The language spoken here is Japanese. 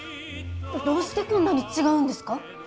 どうしてこんなに違うんですか？